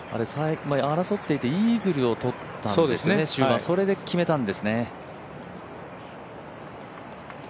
争っていてイーグルを取ったんですよね、終盤、それで決めたんですね。